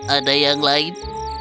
ada yang lain